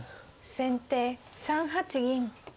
先手３八銀。